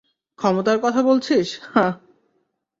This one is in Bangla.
ক্ষমতার কথা বলছিস, হাহ্?